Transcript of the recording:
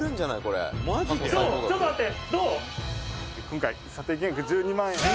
「今回査定金額１２万円で」